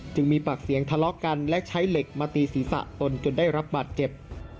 มีปากเสียงทะเลาะกันและใช้เหล็กมาตีศีรษะตนจนได้รับบาดเจ็บ